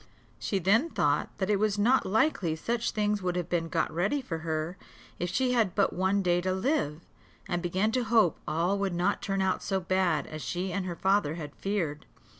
She then thought that it was not likely such things would have been got ready for her, if she had but one day to live; and began to hope all would not turn out so bad as she and her father had feared.